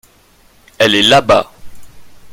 Elle est là-bas.